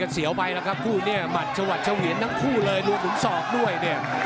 เสียวไปแล้วครับคู่นี้หมัดชวัดเฉวียนทั้งคู่เลยรวมถึงศอกด้วยเนี่ย